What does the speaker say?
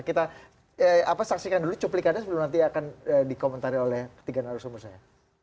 kita saksikan dulu cuplikannya sebelum nanti akan dikomentari oleh ketiga narasumber saya